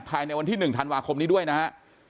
ภายในวันที่๑ธันวาคมนี้ด้วยนะฮะ